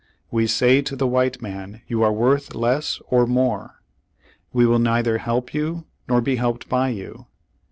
We say to the white man you are worth less or more. We will neither help you, nor be helped by you.